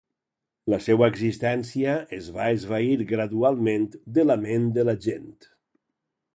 La seua existència es va esvair gradualment de la ment de la gent.